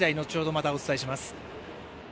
またお伝えします。